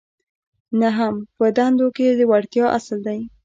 نهم په دندو کې د وړتیا اصل دی.